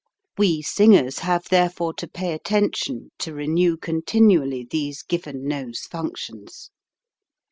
We singers have therefore to pay attention to renew con tinually these given nose functions.